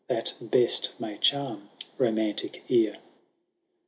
That best may charm romantic ear.